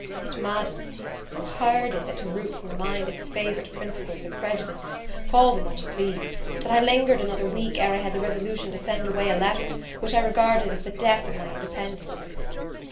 Yet, Madam, so hard is it to root from the mind its favourite principles or prejudices, call them which you please, that I lingered another week ere I had the resolution to send away a letter, which I regarded as the death of my independence.